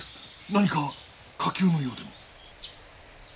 何か火急の用でも？